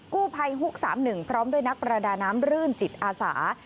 กู้ภัยฮุก๓๑พร้อมด้วยนักประดาน้ำรื่นจิตอาสา